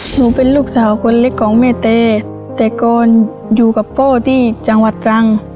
หนูเป็นลูกสาวคนเล็กของแม่แต่ก่อนอยู่กับพ่อที่จังหวัดตรัง